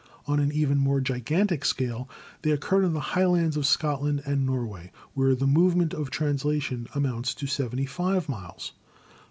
On an even more gigantic scale they occur in the Highlands of Scotland and Norway, where the movement of transla tion amounts to 75 miles.